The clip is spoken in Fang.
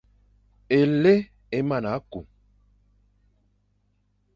Éli é mana kum.